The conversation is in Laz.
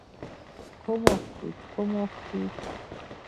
Komoxtit, komoxtituuu.